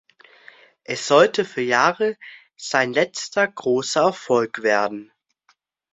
Es sollte für Jahre sein letzter großer Erfolg werden.